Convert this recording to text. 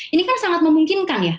ini kan sangat memungkinkan ya